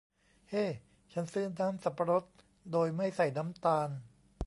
เฮ้ฉันซื้อน้ำสับปะรดโดยไม่ใส่น้ำตาล